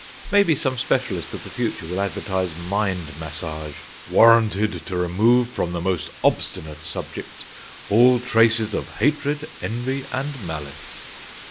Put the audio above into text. Maybe some specialist of the future will advertise Mind Massage: "Warranted to remove from the most obstinate subject all traces of hatred, envy, and malice."